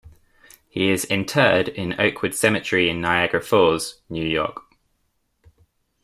He is interred in Oakwood Cemetery in Niagara Falls, New York.